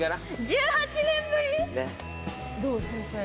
１８年ぶり⁉どう？